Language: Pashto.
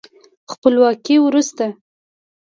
خپلواکۍ وروسته